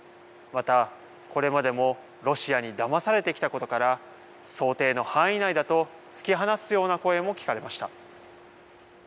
また、これまでもロシアにだまされてきたことから、想定の範囲内だと突き放すような声も聞かれました。